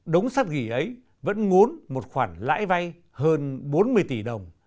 đống sắt ghỉ ấy vẫn ngốn một khoản lãi vai hơn bốn mươi tỷ đồng